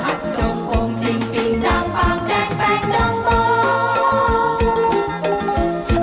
จังปังแจงแปงจงโฟง